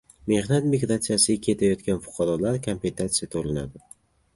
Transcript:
Mehnat migrasiyasiga ketayotgan fuqarolarga kompensasiya to‘lanadi